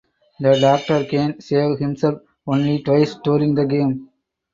The doctor can save himself only twice during the game.